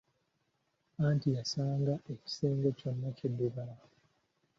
Anti yasanga ekisenge kyonna kiddugala!